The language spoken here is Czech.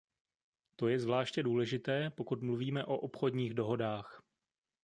To je zvláště důležité, pokud mluvíme o obchodních dohodách.